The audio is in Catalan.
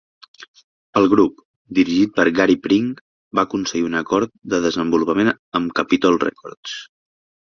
El grup, dirigit per Gary Pring, va aconseguir un acord de desenvolupament amb Capitol Records.